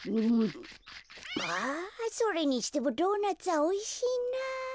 あそれにしてもドーナツはおいしいな。